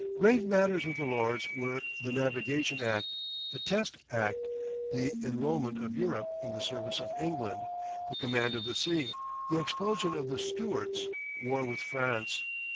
Grave matters with the Lords were the Navigation Act, the Test Act, the enrolment of Europe in the service of England, the command of the sea, the expulsion of the Stuarts, war with France.